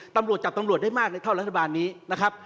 ตำรวจจับตำรวจได้มากในเท่ารัฐบาลนี้นะครับ